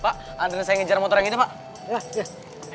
pak andri saya ngejar motor yang itu pak